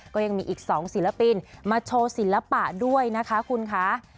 ก็ยังมีอีก๒ศิลปินมาโชว์ศิลปะด้วยนะคะคุณคะ